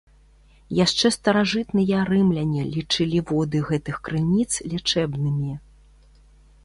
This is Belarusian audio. Яшчэ старажытныя рымляне лічылі воды гэтых крыніц лячэбнымі.